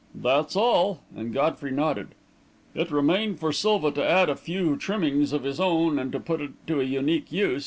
"That's all," and Godfrey nodded. "It remained for Silva to add a few trimmings of his own and to put it to a unique use.